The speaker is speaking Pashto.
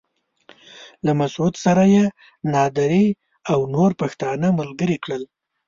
له مسعود سره يې نادري او نور پښتانه ملګري کړل.